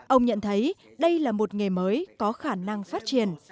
ông nhận thấy đây là một nghề mới có khả năng phát triển